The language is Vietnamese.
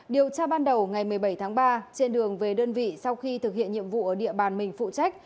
điều tra ban đầu ngày một mươi bảy tháng ba trên đường về đơn vị sau khi thực hiện nhiệm vụ ở địa bàn mình phụ trách